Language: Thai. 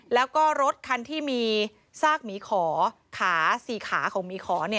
แล้วก็รถคันที่มีซากหมีขอขา๔ขาของหมีขอ